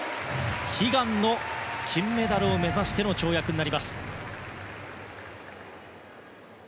悲願の金メダルを目指しての跳躍です。